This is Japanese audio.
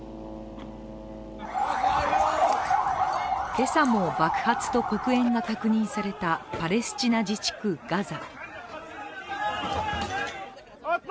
今朝も爆発と黒煙が確認されたパレスチナ自治区・ガザ。